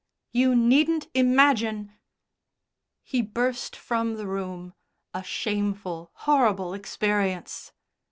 You needn't imagine " He burst from the room. A shameful, horrible experience.